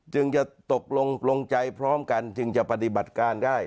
จึงจะตกลงลงใจพร้อมกันถึงจะปฏิบัติการได้